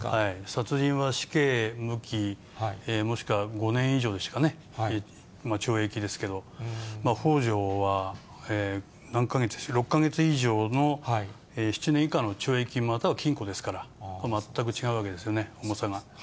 殺人は死刑、無期、もしくは５年以上ですかね、懲役ですけど、ほう助は何か月でしたっけ、６か月以上の７年以下の懲役、または禁錮ですから、全く違うわけですよね、重さが。